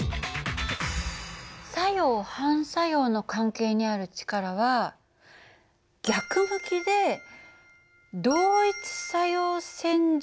作用・反作用の関係にある力は逆向きで同一作用線上にある。